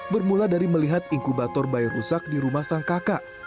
bermula dari melihat inkubator bayi rusak di rumah sang kakak